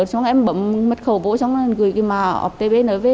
xong em bấm mất khẩu vô xong gửi cái mạng off tp nợ về